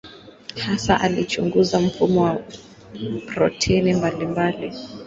Hasa alichunguza mfumo wa protini mbalimbali.